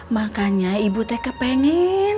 makanya ibu teh kepengen